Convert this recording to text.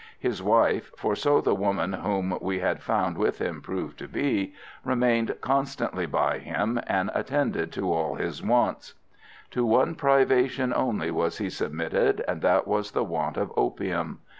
His wife for so the woman whom we had found with him proved to be remained constantly by him, and attended to all his wants. To one privation only was he submitted, and that was the want of opium.